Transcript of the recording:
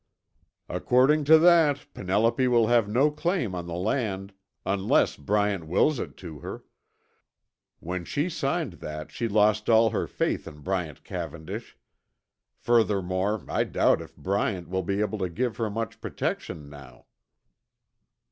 "According to that, Penelope will have no claim on the land unless Bryant wills it to her. When she signed that, she lost all her faith in Bryant Cavendish. Furthermore, I doubt if Bryant will be able to give her much protection now."